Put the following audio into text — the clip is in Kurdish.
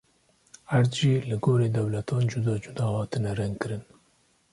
Erd jî li gorî dewletan cuda cuda hatine rengkirin.